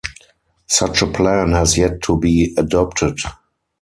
Such a plan has yet to be adopted.